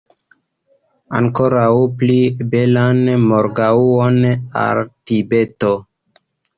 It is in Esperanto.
Ankoraŭ pli belan morgaŭon al Tibeto!